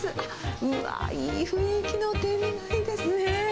うわー、いい雰囲気の店内ですね。